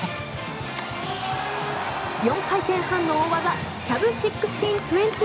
４回転半の大技キャブ１６２０